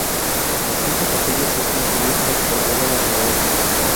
Las cinco capillas están cubiertas por bóvedas de horno.